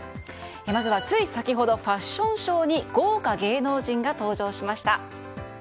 まずはつい先ほどファッションショーに豪華芸能人が登場しました。